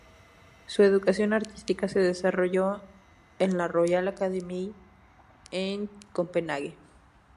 Su educación artística se desarrolló en la Royal Academy en Copenhague.